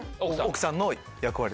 奥さんの役割。